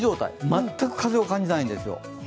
全く風を感じないんですよ。